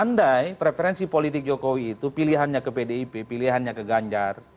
andai preferensi politik jokowi itu pilihannya ke pdip pilihannya ke ganjar